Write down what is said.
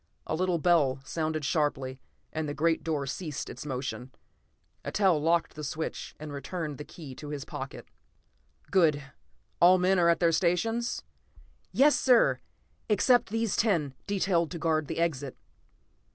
A little bell sounded sharply, and the great door ceased its motion. Eitel locked the switch and returned the key to his pocket. "Good. All men are at their stations?" I asked briskly. "Yes, sir! All except these ten, detailed to guard the exit."